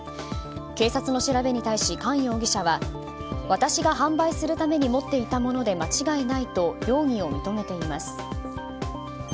警察の調べに対しカン容疑者は私が販売するために持っていたもので間違いないと容疑を認めています。